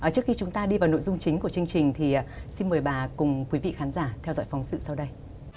trước khi chúng ta đi vào nội dung chính của chương trình thì xin mời bà cùng quý vị khán giả theo dõi phóng sự sau đây